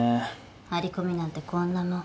張り込みなんてこんなもん。